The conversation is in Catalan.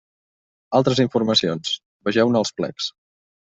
Altres informacions: vegeu-ne els plecs.